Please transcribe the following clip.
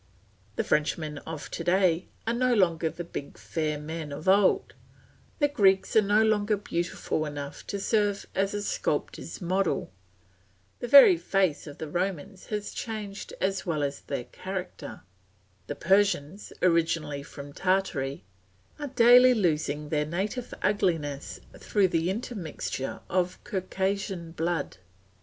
The Frenchmen of to day are no longer the big fair men of old; the Greeks are no longer beautiful enough to serve as a sculptor's model; the very face of the Romans has changed as well as their character; the Persians, originally from Tartary, are daily losing their native ugliness through the intermixture of Circassian blood.